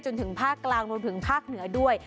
จนถึงภาคกลางรวมถึงภาคเหนือด้วย